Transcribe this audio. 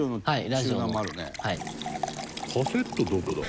カセット、どこだ？